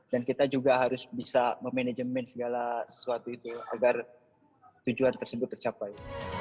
dan kita juga harus bisa memanajemen segala sesuatu itu agar tujuan tersebut tercapai